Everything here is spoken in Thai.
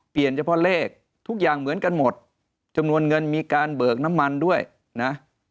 เฉพาะเลขทุกอย่างเหมือนกันหมดจำนวนเงินมีการเบิกน้ำมันด้วยนะ